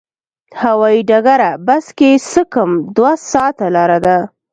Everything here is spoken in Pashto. هوایي ډګره بس کې څه کم دوه ساعته لاره ده.